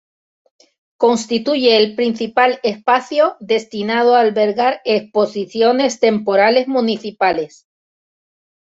Constituye el principal espacio destinado a albergar exposiciones temporales municipales.